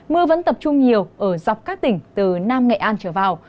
mưa vẫn tập trung nhiều ở dọc các tỉnh từ nam nghệ an trở vào